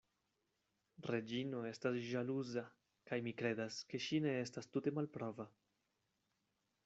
Reĝino estas ĵaluza: kaj mi kredas, ke ŝi ne estas tute malprava.